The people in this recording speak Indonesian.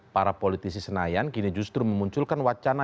para politisi senayan kini justru memunculkan wacana